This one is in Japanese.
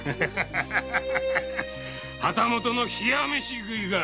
旗本の冷や飯ぐいか！